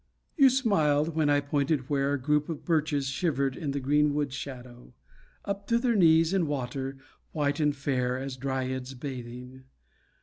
You smiled when I pointed where A group of birches shivered in the green wood shadow, Up to their knees in water, white and fair As dryads bathing.